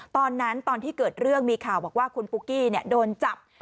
ตอนที่เกิดเรื่องมีข่าวบอกว่าคุณปุ๊กกี้โดนจับ